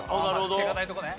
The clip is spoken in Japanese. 手堅いとこね。